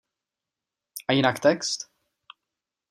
A jinak text?